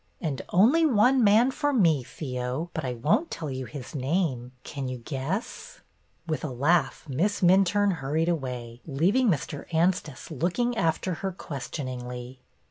'' And only one man for me, Theo, — but I won't tell you his name. Can you guess ?" With a laugh Miss Minturne hurried away, leaving Mr. Anstice looking after her question ingly.